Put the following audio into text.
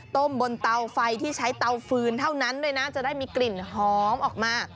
บนเตาไฟที่ใช้เตาฟืนเท่านั้นด้วยนะจะได้มีกลิ่นหอมออกมา